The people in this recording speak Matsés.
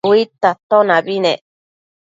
Uidta atonabi nec